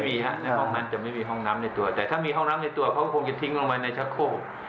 มีฮะในห้องนั้นจะไม่มีห้องน้ำในตัวแต่ถ้ามีห้องน้ำในตัวเขาคงจะทิ้งลงไปในชักโคก